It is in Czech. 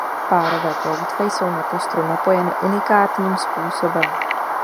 Párové ploutve jsou na kostru napojeny unikátním způsobem.